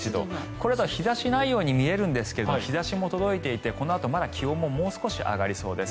これ、日差しがないように見えるんですが日差しは届いていてこのあと気温ももう少し上がりそうです。